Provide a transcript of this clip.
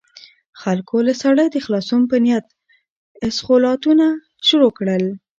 خلکو له ساړه د خلاصون په نيت اسخولاتونه شروع کړل.